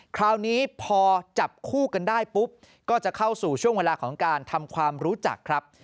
คราวนี้พอจับคู่กันได้ปุ๊บก็จะเข้าสู่ช่วงเวลาของการทำความรู้จักครับ